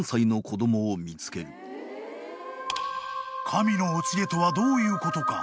［神のお告げとはどういうことか］